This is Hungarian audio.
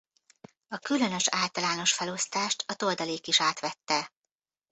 A különös-általános felosztást a toldalék is átvette.